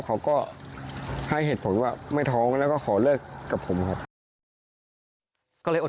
เขาก็ให้เหตุผลว่าไม่ท้องแล้วก็ขอเลิกกับผมครับก็เลยอด